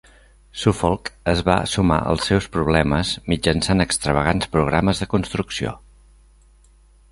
Suffolk es va sumar als seus problemes mitjançant extravagants programes de construcció.